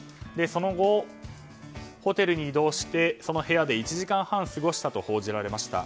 その後、ホテルに移動してその部屋で１時間半過ごしたと報じられました。